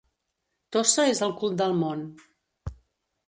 Tossa és el cul del món.